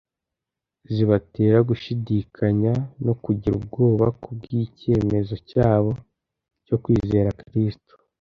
zibatera gushyidikanya no kugira ubwoba ku bw'icyemezo cyabo cyo kwizera Kristo.